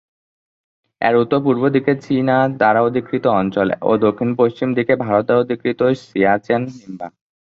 এর উত্তর-পূর্ব দিকে চীন দ্বারা অধিকৃত অঞ্চল ও দক্ষিণ-পশ্চিম দিকে ভারত দ্বারা অধিকৃত সিয়াচেন হিমবাহ।